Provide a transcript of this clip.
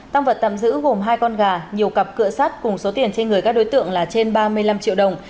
tăng vật tạm giữ gồm hai con gà nhiều cặp cửa sát cùng số tiền trên người các đối tượng là trên ba mươi năm triệu đồng